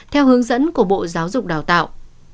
theo hướng dẫn của bộ giáo dục đào tạo